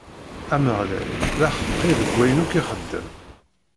Ameɣlal, d aḥeqqi deg wayen akk ixeddem.